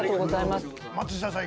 松下さん